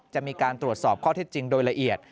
จะมีการตรวจสอบข้อเท็จจริงโดยละเอียด